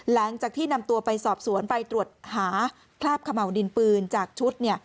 หลังจากที่นำตัวไปสอบสวนไปตรวจหาคราบเขม่าวดินปืนจากชุด